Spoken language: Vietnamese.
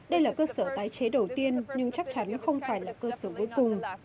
đây là cơ sở tái chế đầu tiên nhưng chắc chắn không phải là cơ sở cuối cùng